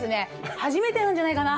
初めてなんじゃないかな。